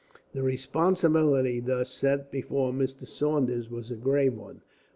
The responsibility thus set before Mr. Saunders was a grave one.